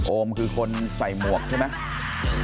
โอมคือคนใส่หมวกใช่ไหม